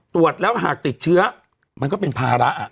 ตรวจแล้วหากติดเชื้อมันก็เป็นภาระ